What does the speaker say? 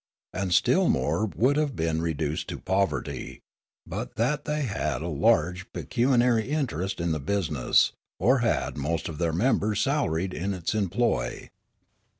And still more would have been reduced to poverty, but that they had a large pecuniary interest in the business, or had most of their members salaried in its emplo}'.